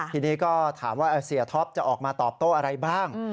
ทีนี้ก็ถามว่าเสียท็อปจะออกมาตอบโต้อะไรบ้าง